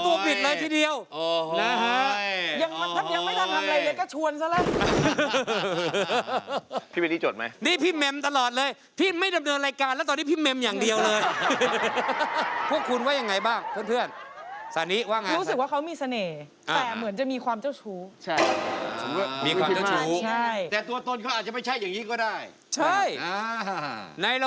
โอ๊ยชอบอะฮะถึงค่าตัวผิดเลยทีเดียวนะฮะอย่างมันถ้ายังไม่ทางทำอะไรเลยก็ชวนเค้าแหละ